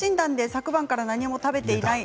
昨晩から何も食べていない。